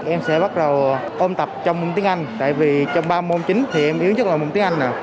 em sẽ bắt đầu ôm tập trong môn tiếng anh tại vì trong ba môn chính thì em yếu nhất là môn tiếng anh nào